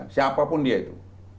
siapa pun dia itu